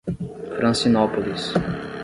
Francinópolis